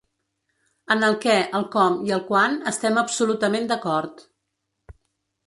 En el què, el com i el quan estem absolutament d’acord.